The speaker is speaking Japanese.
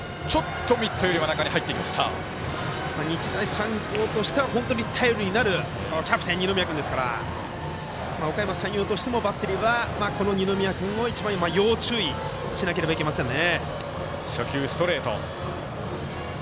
日大三高としては本当に頼りになるキャプテン、二宮君ですからおかやま山陽としてもバッテリーは二宮君を一番、要注意しなければいけませんね。